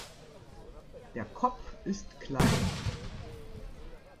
Der Kopf ist klein.